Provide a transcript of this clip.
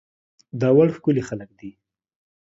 داوړ ښکلي خلک دي